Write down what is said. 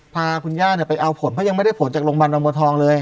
พาคุณย่าไปเอาผลเพราะยังไม่ได้ผลจากโรงพยาบาลอมบัวทองเลย